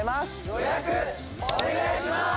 予約お願いしまーす！